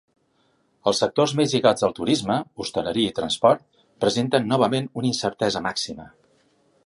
Els sectors més lligats al turisme –hostaleria i transport– presenten novament una incertesa màxima.